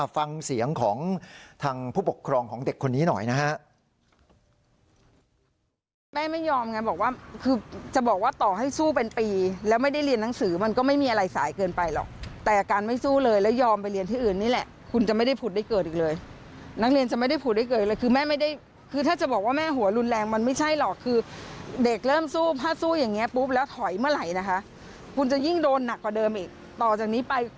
ฟังเสียงของทางผู้ปกครองของเด็กคนนี้หน่อยนะฮะ